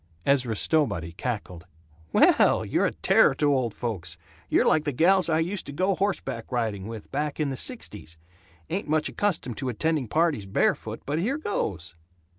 Ezra Stowbody cackled, "Well, you're a terror to old folks. You're like the gals I used to go horseback riding with, back in the sixties. Ain't much accustomed to attending parties barefoot, but here goes!"